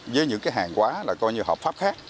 với những cái hàng quá là coi như hợp pháp khác